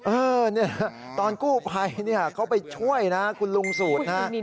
เออเนี่ยตอนกู้ภัยเขาไปช่วยนะคุณลุงสูตรนะฮะ